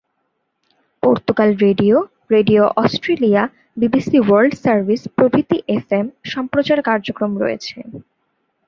Portugal radio, radio Australia, BBC world service প্রভৃতি FM সম্প্রচার কার্যক্রম রয়েছে।